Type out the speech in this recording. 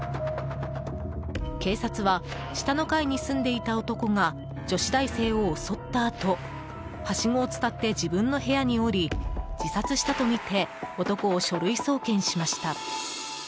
警察は下の階に住んでいた男が女子大生を襲ったあとはしごを伝って自分の部屋に下り自殺したとみて男を書類送検しました。